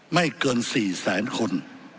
ไม่เกิน๔๐๐๐๐๐คน